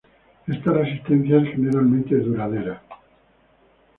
Esta resistencia es generalmente duradera.